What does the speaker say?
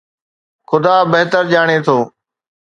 خدا بهتر ڄاڻي ٿو.